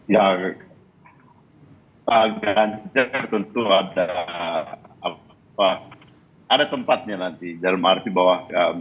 ya pak ganjar tentu ada tempatnya nanti